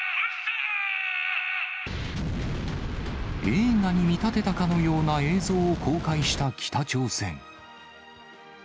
映画に見立てたかのような映像を公開した北朝鮮。